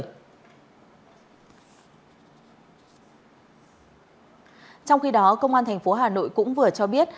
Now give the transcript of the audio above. trong khi đó công an tp hà nội cũng vừa cho biết